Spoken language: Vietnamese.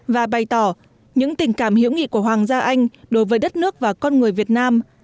và bày tỏ những tình cảm hữu nghị của hoàng gia anh đối với đất nước và con người việt nam